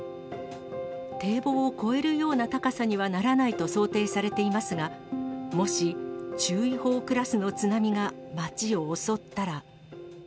堤防を越えるような高さにはならないと想定されていますが、もし、注意報クラスの津波が街を襲ったら。